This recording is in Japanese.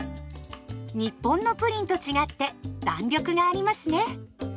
日本のプリンと違って弾力がありますね。